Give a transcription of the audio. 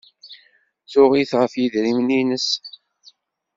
Tuɣ-it ɣef yedrimen-nnes.